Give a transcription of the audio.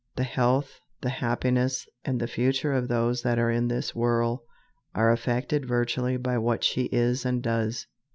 The health, the happiness, and the future of those that are in this whirl are affected vitally by what she is and does.